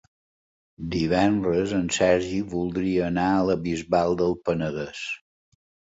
Divendres en Sergi voldria anar a la Bisbal del Penedès.